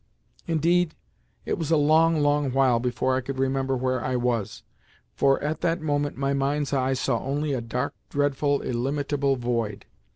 Indeed, it was a long, long while before I could remember where I was, for at that moment my mind's eye saw only a dark, dreadful, illimitable void.